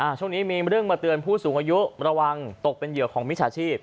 ช่วงนี้มีเรื่องมาเตือนผู้สูงอายุระวังตกเป็นเหยื่อของมิจฉาชีพ